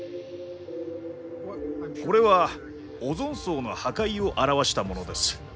これはオゾン層の破壊を表したものです。